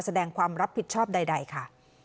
แสดงความรับผิดชอบใดค่ะ